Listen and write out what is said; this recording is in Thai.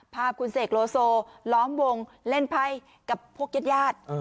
ภาพคุณเสกโลโซล้อมวงเล่นไพรกับพวกเย็ด